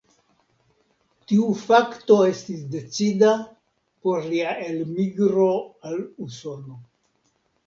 Tiu fakto estis decida por lia elmigro al Usono.